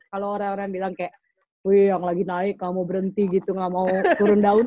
kalau orang orang bilang kayak wuih yang lagi naik gak mau berhenti gitu gak mau turun down